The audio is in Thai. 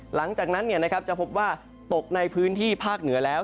หลังจากนั้นจะพบว่าตกในพื้นที่ภาคเหนือแล้ว